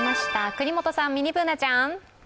國本さん、ミニＢｏｏｎａちゃん。